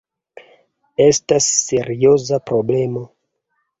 Estas serioza problemo.